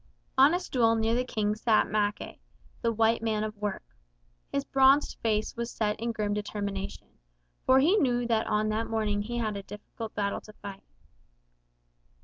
On a stool near the King sat Mackay, the White Man of Work. His bronzed face was set in grim determination, for he knew that on that morning he had a difficult battle to fight.